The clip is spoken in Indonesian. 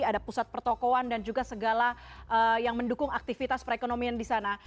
ada pusat pertokohan dan juga segala yang mendukung aktivitas perekonomian di sana